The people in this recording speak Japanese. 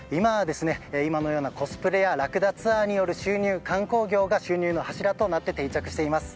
今のようなコスプレやラクダツアーによる観光業が収入の柱となって定着しています。